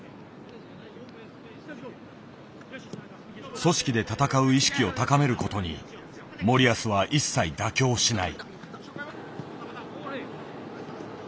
組織で戦う意識を高める事に森保は一切妥協しない。